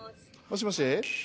もしもし？